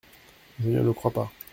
Je ne le crois pas.